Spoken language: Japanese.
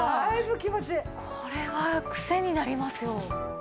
これは癖になりますよ。